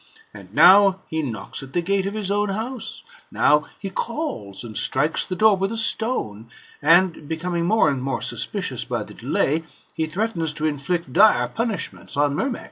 And now he knocks at the gate of his own house, now he calls, and strikes the door with a stone; and becoming more and more suspicious by the delay, he threatens to inflict dire punishments on Myrmex.